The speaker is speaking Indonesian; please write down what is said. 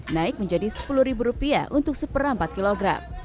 naik menjadi rp sepuluh untuk seperan empat kilogram